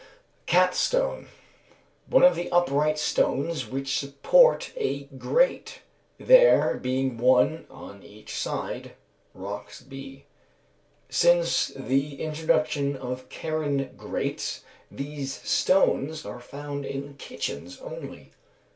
_). Catstone. One of the upright stones which support a grate, there being one on each side (Roxb.). Since the introduction of Carron grates these stones are found in kitchens only.